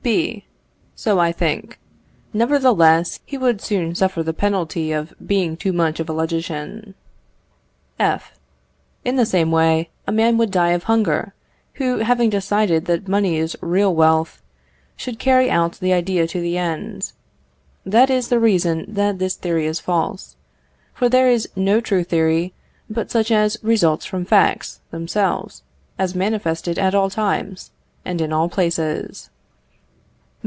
B. So I think. Nevertheless, he would soon suffer the penalty of being too much of a logician. F. In the same way, a man would die of hunger, who having decided that money is real wealth, should carry out the idea to the end. That is the reason that this theory is false, for there is no true theory but such as results from facts themselves, as manifested at all times, and in all places.